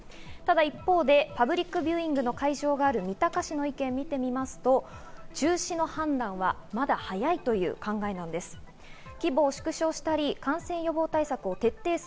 一方でパブリックビューイングの会場がある三鷹市の意見を見てみますと、中止の判断はまだ早いという考えなんです。